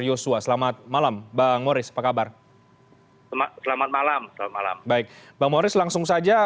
yosua selamat malam bang moris apa kabar selamat malam selamat malam baik bang mores langsung saja